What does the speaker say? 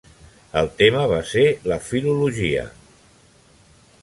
El tema va ser la filologia.